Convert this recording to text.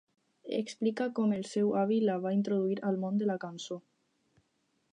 Explica com el seu avi la va introduir al món de la cançó